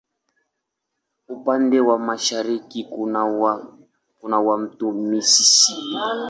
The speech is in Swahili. Upande wa mashariki kuna wa Mto Mississippi.